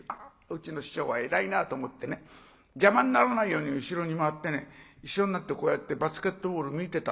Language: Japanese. うちの師匠は偉いなと思って邪魔にならないように後ろに回って一緒になってこうやってバスケットボール見てたんです。